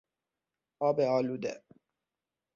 آب آلوده